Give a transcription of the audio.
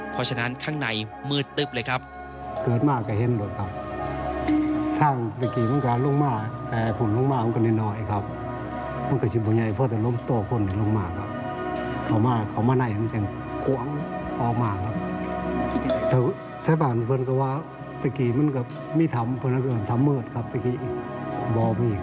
เพราะฉะนั้นข้างในมืดตึบเลยครับ